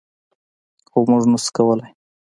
خو موږ نشو کولی.